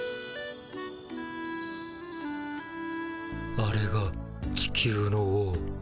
あれが地球の王。